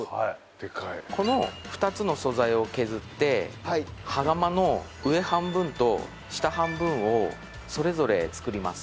この２つの素材を削って羽釜の上半分と下半分をそれぞれ作ります。